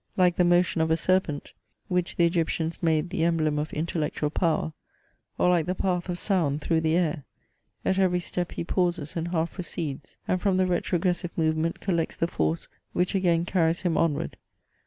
Like the motion of a serpent, which the Egyptians made the emblem of intellectual power; or like the path of sound through the air; at every step he pauses and half recedes; and from the retrogressive movement collects the force which again carries him onward.